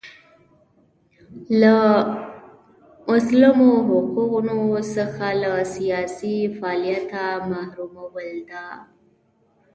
له مسلمو حقونو څخه له سیاسي فعالیته محرومول ده.